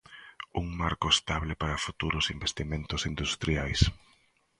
Un marco estable para futuros investimentos industriais.